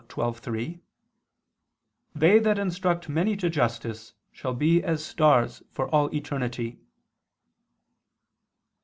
12:3): "They that instruct many to justice shall be as stars for all eternity."